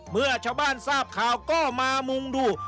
เมื่อชาวบ้านทราบข่าวก็มามุงดู